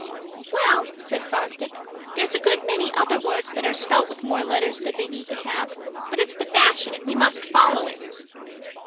"Well," said Fosdick, "there's a good many other words that are spelt with more letters than they need to have. But it's the fashion, and we must follow it."